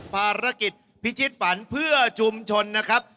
ภารกิจพิชิตฝันเพื่อชุมชนนะครับ